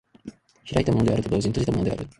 開いたものであると同時に閉じたものである。